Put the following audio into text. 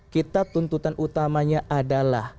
kita tuntutan utamanya